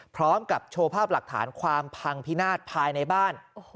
พร้อมกับโชว์ภาพหลักฐานความพังพินาศภายในบ้าน